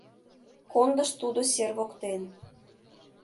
Кондыш тудо сер воктен